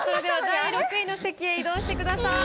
第６位の席へ移動してください。